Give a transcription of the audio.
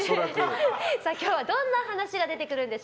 今日はどんな話が出てくるのか。